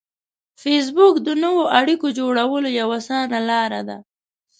فېسبوک د نوو اړیکو جوړولو یوه اسانه لار ده